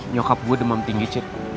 nyokap gue demam tinggi cek